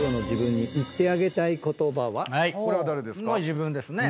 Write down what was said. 自分ですね。